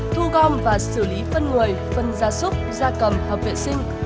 thu gom và xử lý phân người phân gia súc gia cầm hợp vệ sinh